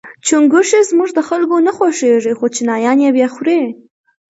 چونګښي زموږ د خلکو نه خوښیږي خو چینایان یې با خوري.